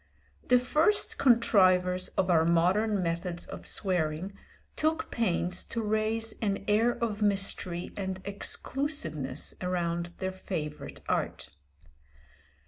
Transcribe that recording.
The first contrivers of our modern methods of swearing took pains to raise an air of mystery and exclusiveness around their favourite art.